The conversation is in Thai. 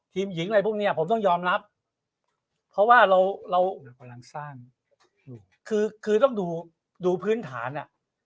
ทีมหญิงอะไรพวกเนี่ยผมต้องยอมรับเพราะว่าเราคือต้องดูดูพื้นฐานน่ะ